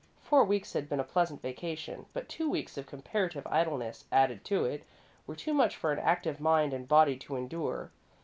Four weeks had been a pleasant vacation, but two weeks of comparative idleness, added to it, were too much for an active mind and body to endure.